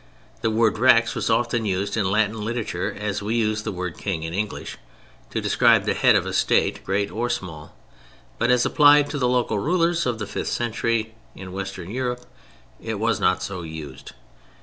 The word "Rex" was often used in Latin literature as we use the word "King" in English: i.e., to describe the head of a state great or small. But as applied to the local rulers of the fifth century in Western Europe, it was not so used.